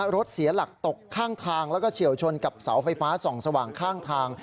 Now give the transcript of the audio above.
รถเสียหลักตกข้างทางแล้วก็เฉียวชนกับเสาไฟฟ้าส่องสว่างข้างทาง